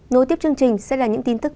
nối tiếp chương trình sẽ là những tin tức